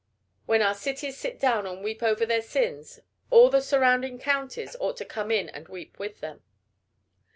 When our cities sit down and weep over their sins, all the surrounding counties ought to come in and weep with them.